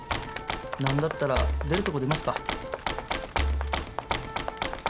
何だったら出るとこ出ますか？